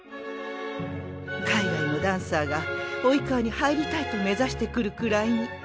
海外のダンサーが「生川」に入りたいと目指して来るくらいに。